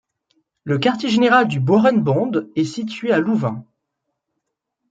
Le quartier général du Boerenbond est situé à Louvain.